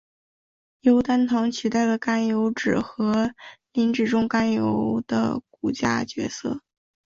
由单糖取代了甘油酯和磷脂中甘油的骨架角色。